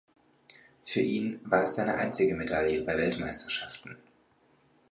Für ihn war es seine einzige Medaille bei Weltmeisterschaften.